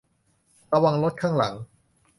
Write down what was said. ระวังรถข้างหลัง !